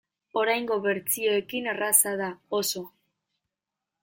Oraingo bertsioekin erraza da, oso.